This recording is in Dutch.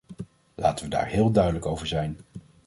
Laten we daar heel duidelijk over zijn.